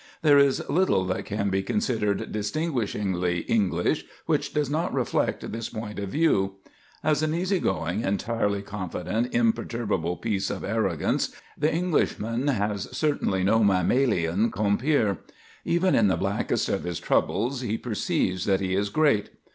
There is little that can be considered distinguishingly English which does not reflect this point of view. As an easy going, entirely confident, imperturbable piece of arrogance, the Englishman has certainly no mammalian compeer. Even in the blackest of his troubles he perceives that he is great.